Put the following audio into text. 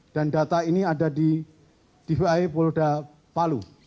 dan data ini ada di dvi polda palu